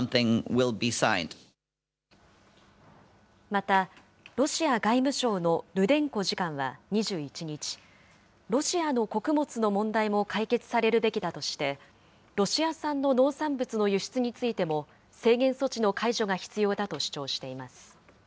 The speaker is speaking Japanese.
また、ロシア外務省のルデンコ次官は２１日、ロシアの穀物の問題も解決されるべきだとして、ロシア産の農産物の輸出についても、制限措置の解除が必要だと主張しています。